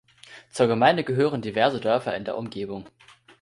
Zur Gemeinde gehören diverse Dörfer in der Umgebung.